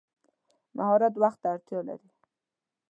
مهارت وخت ته اړتیا لري.